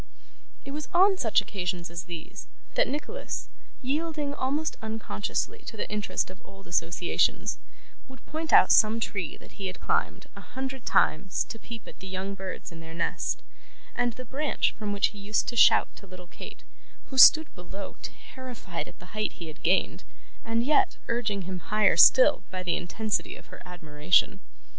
It was on such occasions as these, that Nicholas, yielding almost unconsciously to the interest of old associations, would point out some tree that he had climbed, a hundred times, to peep at the young birds in their nest; and the branch from which he used to shout to little Kate, who stood below terrified at the height he had gained, and yet urging him higher still by the intensity of her admiration.